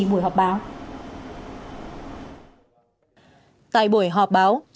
tại buổi họp báo trung tướng nguyễn văn sơn thứ trưởng bộ công an